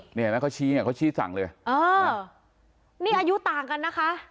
นี่เห็นไหมเขาชี้เนี่ยเขาชี้สั่งเลยอ๋อนี่อายุต่างกันนะคะ